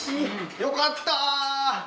よかった！